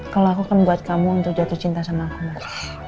kalau aku kan buat kamu untuk jatuh cinta sama aku